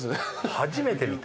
初めて見た。